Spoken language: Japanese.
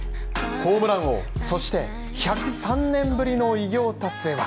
ホームラン王そして１０３年ぶりの偉業達成は？